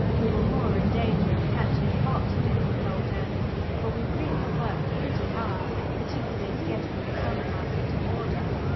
We were more in danger of "catching hot," Gerald told her, for we really worked pretty hard, particularly at getting the summer house into order.